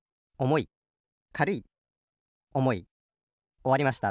おわりました。